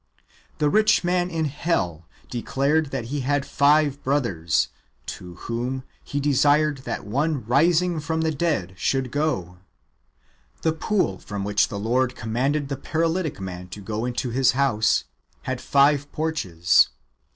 "^ The rich man in helF declared that he had five brothers, to whom he desired that one rising from the dead should go. The pool from which the Lord commanded the paralytic man to go into his house, had five porches.